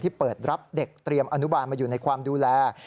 เปิดรับเด็กเตรียมอนุบาลมาอยู่ในความดูแล